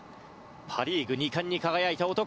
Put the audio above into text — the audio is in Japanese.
パ・リーグ二冠に輝いた男！